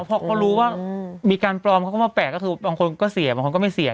พอเขารู้ว่ามีการปลอมเขาก็มาแปะก็คือบางคนก็เสียบางคนก็ไม่เสีย